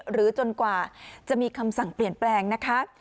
จนกว่าจะมีคำสั่งเปลี่ยนแปลงนะคะ